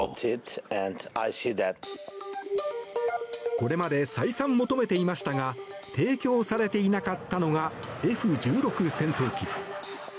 これまで再三求めていましたが提供されていなかったのがＦ１６戦闘機。